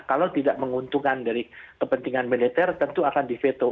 kalau tidak menguntungkan dari kepentingan militer tentu akan di veto